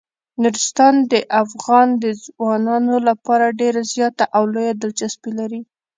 نورستان د افغان ځوانانو لپاره ډیره زیاته او لویه دلچسپي لري.